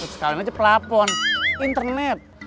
sekalian aja pelapon internet